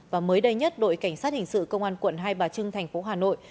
và mới đây nhất đội cảnh sát hình sự công an quận hai bà trưng thành phố hà nội